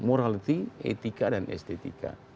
morality etika dan estetika